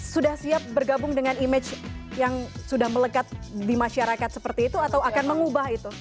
sudah siap bergabung dengan image yang sudah melekat di masyarakat seperti itu atau akan mengubah itu